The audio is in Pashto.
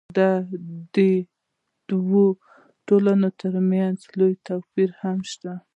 د دې دوو تولیدونو ترمنځ لوی توپیر هم شته.